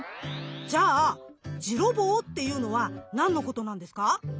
じゃあジロボウっていうのは何のことなんですか？